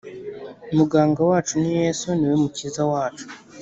Muganga wacu ni yesu niwe mukiza wacu